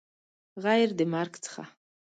غیر د مرګ څخه